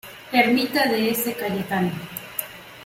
Ermita de S. Cayetano.